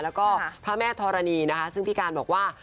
แล้วก็พระแม่ธรณีนะคะซึ่งพี่การบอกว่า